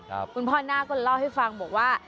คุณพ่อหน้าก็เล่าให้ฟังบอกว่า